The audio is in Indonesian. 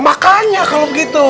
makanya kalau begitu